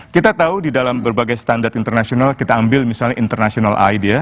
kita tahu di dalam berbagai standar internasional kita ambil misalnya international idea